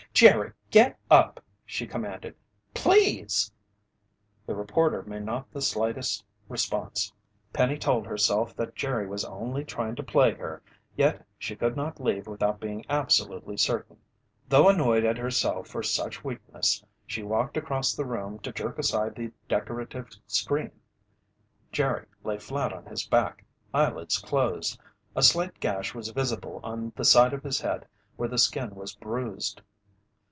"Jerry, get up!" she commanded. "Please!" The reporter made not the slightest response. Penny told herself that Jerry was only trying to plague her, yet she could not leave without being absolutely certain. Though annoyed at herself for such weakness, she walked across the room to jerk aside the decorative screen. Jerry lay flat on his back, eyelids closed. A slight gash was visible on the side of his head where the skin was bruised.